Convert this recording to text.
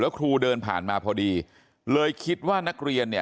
ครูเดินผ่านมาพอดีเลยคิดว่านักเรียนเนี่ย